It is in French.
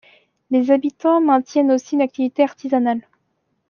Les habitants maintiennent aussi une activité artisanale.